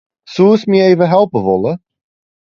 Soest my even helpe wolle?